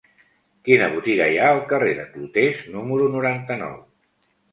Quina botiga hi ha al carrer de Clotés número noranta-nou?